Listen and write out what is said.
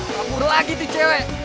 kabur lagi tuh cewek